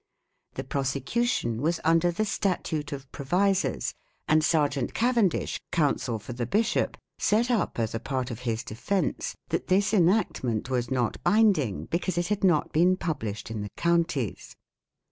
1 The prosecu tion was under the Statute of Provisors, and Serjeant Cavendish, counsel for the Bishop set up as a part of his defence that this enactment was not binding be cause it had not been published in the counties.